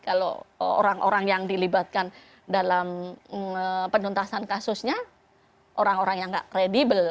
kalau orang orang yang dilibatkan dalam penuntasan kasusnya orang orang yang nggak kredibel